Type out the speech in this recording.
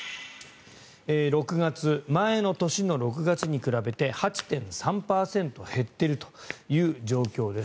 ６月、前の年の６月に比べて８．３％減っているという状況です。